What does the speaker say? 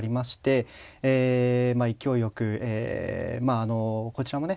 勢いよくまああのこちらもね